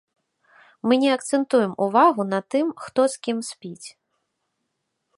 Мы не акцэнтуем увагу на тым, хто з кім спіць.